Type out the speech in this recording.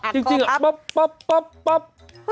จริงป๊อบป๊อบป๊อบ